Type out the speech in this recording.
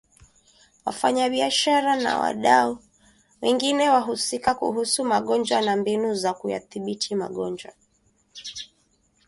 wafanyabiashara na wadau wengine wahusika kuhusu magonjwa na mbinu za kuyadhibiti magonjwa